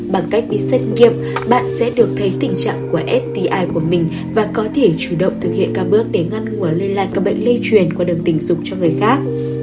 bằng cách đi xét nghiệm bạn sẽ được thấy tình trạng của sti của mình và có thể chủ động thực hiện các bước để ngăn ngừa lây lan các bệnh lây truyền qua đường tình dục cho người khác